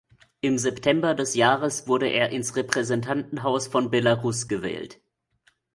Im September des Jahres wurde er ins Repräsentantenhaus von Belarus gewählt.